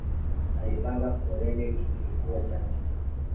Alipanga foleni kuchukua chanjo